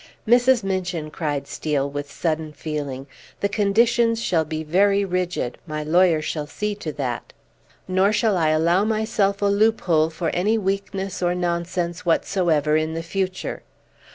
Mrs. Minchin," cried Steel, with sudden feeling, "the conditions shall be very rigid; my lawyer shall see to that; nor shall I allow myself a loophole for any weakness or nonsense whatsoever in the future.